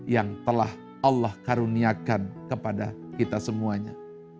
yang telah allah karuniakan kepada kita semuanya